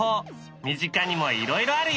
身近にもいろいろあるよ。